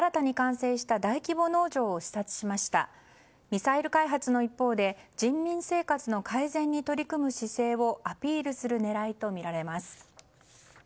ミサイル開発の一方で人民生活の改善に取り組む姿勢をアピールする狙いとみられます。